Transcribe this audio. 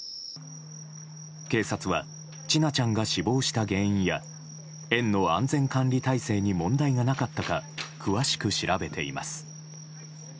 警察は千奈ちゃんが死亡した原因や園の安全管理体制に問題がなかったか詳しく調べています。